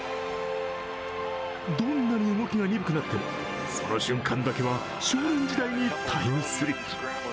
どんなに動きが鈍くなっても、その瞬間だけは少年時代にタイムスリップ。